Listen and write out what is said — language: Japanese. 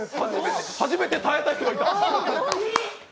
初めて耐えた人いた。